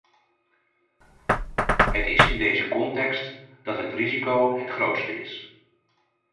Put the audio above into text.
Het is in deze context dat het risico het grootste is.